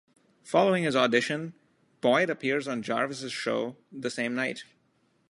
Following his audition, Boyd appeared on Jarvis' show the same night.